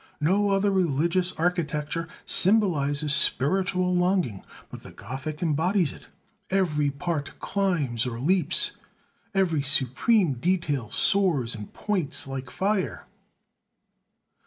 No other religious architecture symbolizes spiritual longing; but the Gothic embodies it. Every part climbs or leaps; every supreme detail soars and points like fire...."